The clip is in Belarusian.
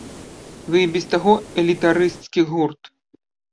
Вы і без таго элітарысцскі гурт.